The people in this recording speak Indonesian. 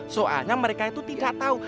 soalnya mereka itu tidak tahu